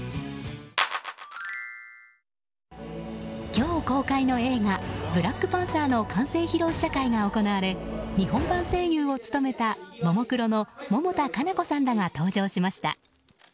今日公開の映画「ブラックパンサー」の完成披露試写会が行われ日本版声優を務めたももクロの百田夏菜子さんらが登場しました。